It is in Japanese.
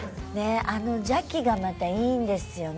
あの邪気がまたいいんですよね。